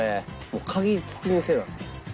もう鍵付きにせな。